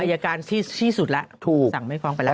อายการที่สุดแล้วถูกสั่งไม่ฟ้องไปแล้ว